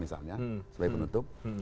misalnya sebagai penutup